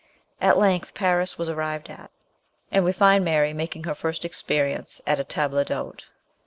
At length Paris was arrived at, and we find Mary making her first experience at a table d'hote.